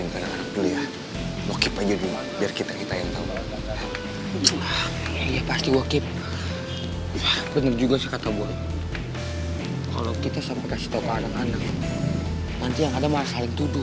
kalau kita sampai kasih tahu ke anak anak nanti yang ada malah saling tuduh